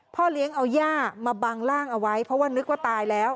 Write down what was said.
เลี้ยงเอาย่ามาบังร่างเอาไว้เพราะว่านึกว่าตายแล้ว